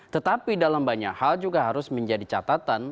tetapi dalam banyak hal juga harus menjadi catatan